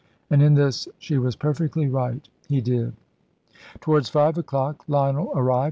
And in this she was perfectly right. He did. Towards five o'clock Lionel arrived.